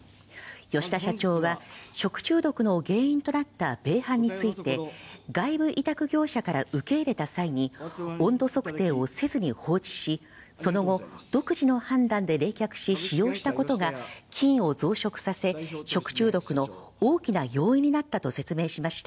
吉田社長は食中毒の原因となった米飯について、外部委託業者から受け入れた際に温度測定をせずに放置し、その後、独自の判断で冷却し使用したことが、菌を増殖させ、食中毒の大きな要因になったと説明しました。